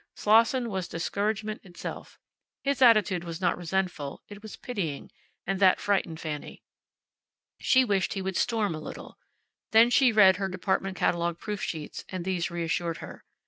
Slosson was discouragement itself. His attitude was not resentful; it was pitying, and that frightened Fanny. She wished that he would storm a little. Then she read her department catalogue proof sheets, and these reassured her.